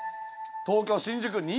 東京・新宿。